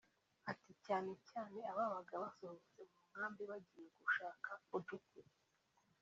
Ati “Cyane cyane ababaga basohotse mu nkambi bagiye nko gushaka udukwi